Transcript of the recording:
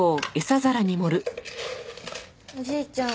おじいちゃん。